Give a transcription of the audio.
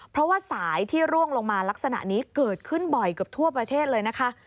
เพราะว่าสายที่ร่วงลงมาลักษณะนี้เกิดขึ้นบ่อยเกือบทั่วประเทศเลยนะคะ